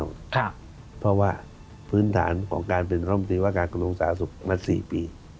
ขึ้นแน่นอนค่ะเพราะว่าพื้นฐานของการเปลี่ยนความประสิทธิ์ว่าการการองศาสตร์สุขมาสี่ปี